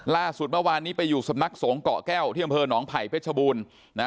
ล่าสุดเมื่อวานนี้ไปอยู่สำนักสงฆ์เกาะแก้วที่อำเภอหนองไผ่เพชรบูรณ์